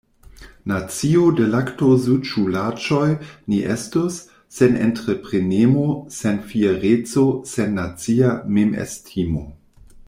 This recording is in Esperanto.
Nacio de laktosuĉulaĉoj ni estus, sen entreprenemo, sen fiereco, sen nacia memestimo.